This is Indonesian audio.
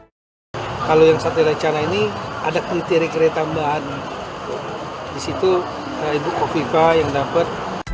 hai kalau yang satu recana ini ada kriteria tambahan disitu saya ibu fika yang dapat